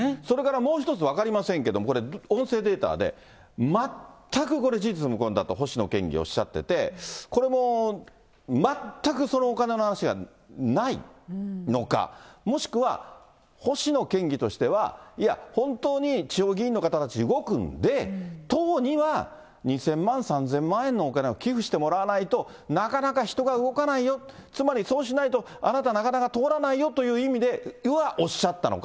それからもう一つ分かりませんけど、音声データで、これ全くこれ、事実無根だと、星野県議おっしゃってて、これも全くお金の話がないのか、もしくは星野県議としては、いや、本当に地方議員の方たち動くんで、党には２０００万、３０００万円のお金は寄付してもらわないとなかなか人が動かないよ、つまりそうしないと、あなた、なかなか通らないよという意味でおっしゃったのか。